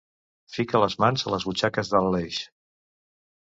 Fique les mans a les butxaques de l'Aleix.